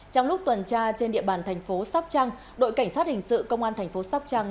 trong lúc tuần tra trên địa bàn thành phố sóc trăng đội cảnh sát hình sự công an thành phố sóc trăng